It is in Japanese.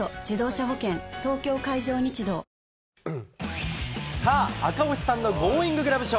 東京海上日動さあ、赤星さんのゴーインググラブ賞。